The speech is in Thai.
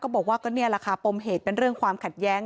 บอกว่าก็นี่แหละค่ะปมเหตุเป็นเรื่องความขัดแย้ง